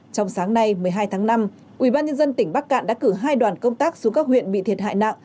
trong sáng nay một mươi hai tháng năm ubnd tỉnh bắc cạn đã cử hai đoàn công tác xuống các huyện bị thiệt hại nặng